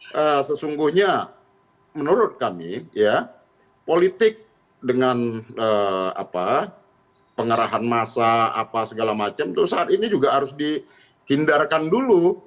ya sesungguhnya menurut kami ya politik dengan pengarahan masa apa segala macam itu saat ini juga harus dihindarkan dulu